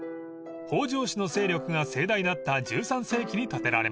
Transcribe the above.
［北条氏の勢力が盛大だった１３世紀に建てられました］